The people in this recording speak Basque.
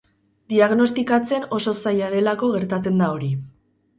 Diagnostikatzen oso zaila delako gertatzen da hori.